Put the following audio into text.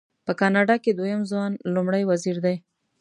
په کاناډا کې دویم ځوان لومړی وزیر دی.